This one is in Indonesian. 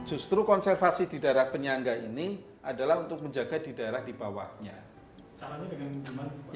justru konservasi di daerah penyangga ini adalah untuk menjaga di daerah di bawahnya